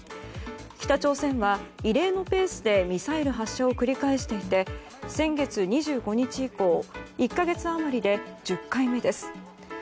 北朝鮮は異例のペースでミサイル発射を繰り返していて先月２５日以降１か月余りで１０回目です。